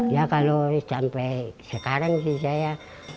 ya kalau sampai sekarang sih saya